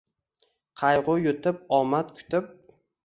Qaygʼu yutib, omad kutib